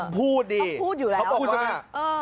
พูดดิเขาพูดมา